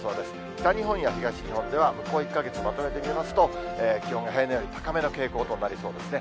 北日本や東日本では向こう１か月、まとめてみますと、気温が平年より高めの傾向となりそうですね。